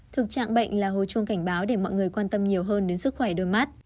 thực trạng bệnh là hồi chuông cảnh báo để mọi người quan tâm nhiều hơn đến sức khỏe đôi mắt